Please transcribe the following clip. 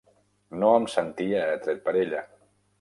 No em sentia atret per ella.